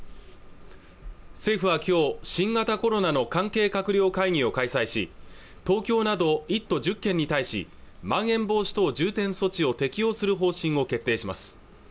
政府はきょう新型コロナの関係閣僚会議を開催し東京など１都１０県に対しまん延防止等重点措置を適用する方針を決定します